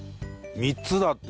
３つだって。